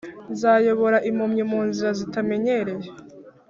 Nzayobora impumyi mu nzira zitamenyereye,